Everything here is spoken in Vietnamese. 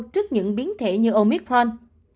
trước những biến thể như omicron